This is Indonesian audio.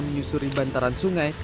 menyusuri bantaran sungai